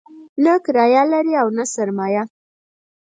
نه کرايه لري او نه سرمایه.